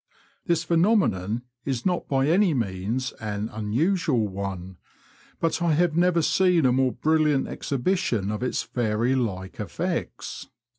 This phenomenon is not by any means an unusual one ; but I have never seen a more brilliant exhibition of its fairylike effects.